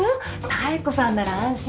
妙子さんなら安心。